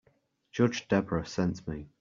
Judge Debra sent me.